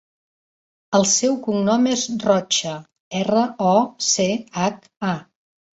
El seu cognom és Rocha: erra, o, ce, hac, a.